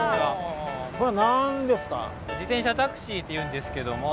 自転車タクシーっていうんですけども。